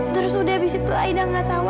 terus udah habis itu aida enggak tahu